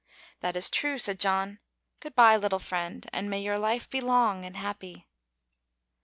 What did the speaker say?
"That is true," said John. "Good bye, little friend, and may your life be long and happy."